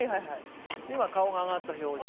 今顔が上がった表情。